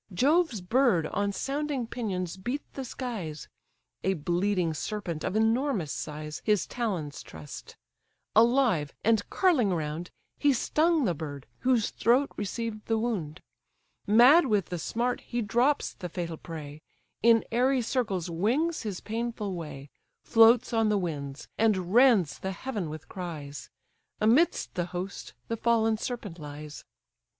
Jove's bird on sounding pinions beat the skies; A bleeding serpent of enormous size, His talons truss'd; alive, and curling round, He stung the bird, whose throat received the wound: Mad with the smart, he drops the fatal prey, In airy circles wings his painful way, Floats on the winds, and rends the heaven with cries: Amidst the host the fallen serpent lies.